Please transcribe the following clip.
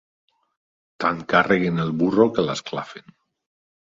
Tant carreguen el burro, que l'esclafen.